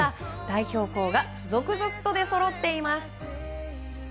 代表校が続々と出そろっています。